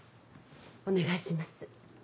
お願いします。